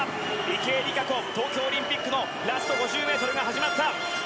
池江璃花子東京オリンピックのラスト５０ｍが始まった。